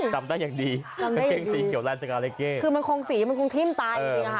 จำได้อย่างดีจำได้อย่างดีคือมันคงสีมันคงทิ้มตายจริงอ่ะฮะ